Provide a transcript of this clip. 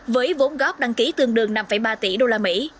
với vốn góp đăng ký tương đương năm ba tỷ usd